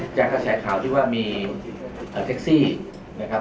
แจ้งกับแชร์ข่าวที่ว่ามีเอ่อเซ็กซี่นะครับ